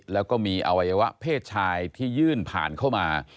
แล้วก็มีอวัยวะเพศชายที่ยื่นผ่านเข้ามา